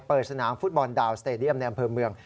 สนามฟุตบอลดาวสเตดียมในอำเภอเมือง